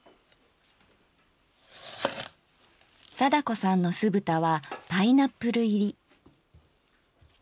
貞子さんのすぶたはパイナップル入り。